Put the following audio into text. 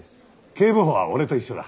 警部補は俺と一緒だ。